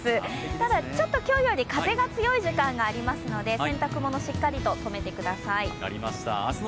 ただ、ちょっと今日より風が強い時間がありますので、洗濯物しっかりと止めてください。